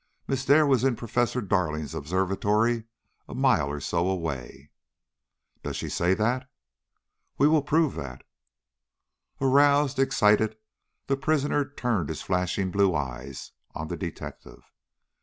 Miss Dare was in Professor Darling's observatory, a mile or so away." "Does she say that?" "We will prove that." Aroused, excited, the prisoner turned his flashing blue eyes on the detective.